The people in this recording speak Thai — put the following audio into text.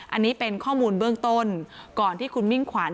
อันนี้เป็นข้อมูลเบื้องต้นก่อนที่คุณมิ่งขวัญ